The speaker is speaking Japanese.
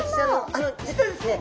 あの実はですね